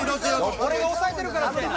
「俺が抑えてるから」みたいな。